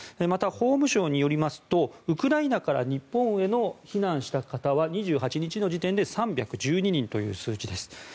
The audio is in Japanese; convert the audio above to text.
また、法務省によりますとウクライナから日本へ避難した方は２８日の時点で３１２人という数字です。